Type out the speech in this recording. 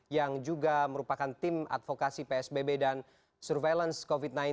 yang juga merupakan tim advokasi psbb dan surveillance covid sembilan belas